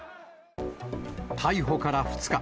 逮捕から２日。